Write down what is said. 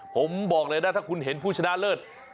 ผมบอกเลยนะถ้าคุณเห็นผู้ชนะเลิศ